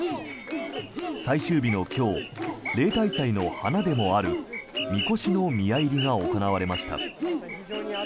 最終日の今日例大祭の華でもあるみこしの宮入が行われました。